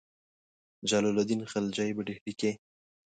جلال الدین خلجي په ډهلي کې.